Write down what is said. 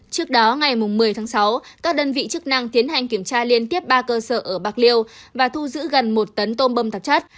trước đó ngày một mươi tháng sáu các đơn vị chức năng tiến hành kiểm tra liên tiếp ba cơ sở ở bạc liêu và thu giữ gần một tấn tôm bâm thực chất